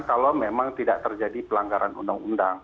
kalau memang tidak terjadi pelanggaran undang undang